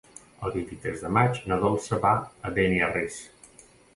El vint-i-tres de maig na Dolça va a Beniarrés.